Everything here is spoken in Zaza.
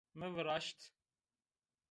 Mi viraşt